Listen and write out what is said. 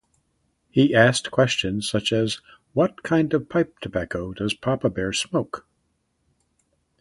He asked questions such as What kind of pipe tobacco does Papa Bear smoke?